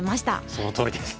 そのとおりです。